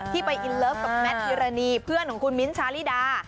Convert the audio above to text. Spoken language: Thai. ไปอินเลิฟกับแมทพิรณีเพื่อนของคุณมิ้นท์ชาลิดา